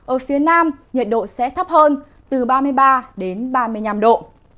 ở phía nam nhiệt độ sẽ thấp hơn từ ba mươi ba đến ba mươi năm độ